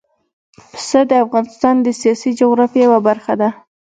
پسه د افغانستان د سیاسي جغرافیه یوه برخه ده.